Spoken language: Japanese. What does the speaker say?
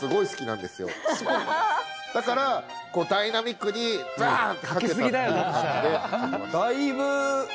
だからダイナミックにバーン！ってかけたっていう感じで。